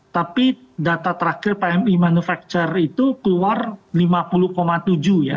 tapi data terakhir pmi manufacture itu keluar lima puluh tujuh ya